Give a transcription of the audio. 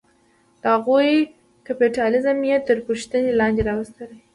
د هغوی کیپیټالیزم یې تر پوښتنې لاندې راوستلې.